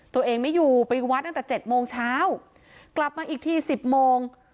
ตัวเองไม่อยู่ไปวัดตั้งแต่๗โมงเช้ากลับมาอีกทีสิบโมง